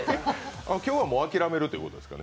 今日は諦めるということですかね。